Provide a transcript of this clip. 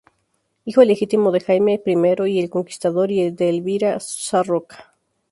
Hijo ilegítimo de Jaime I el Conquistador y de Elvira Sarroca.